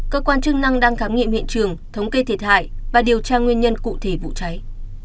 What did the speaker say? cơ quan chức năng đang khám nghiệm hiện trường thống kê thiệt hại và điều tra nguyên nhân cụ thể vụ cháy